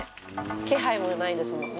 気配もないですもんね。